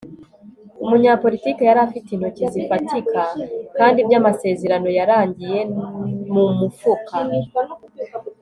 Umunyapolitike yari afite intoki zifatika kandi byamasezerano yarangiye mumufuka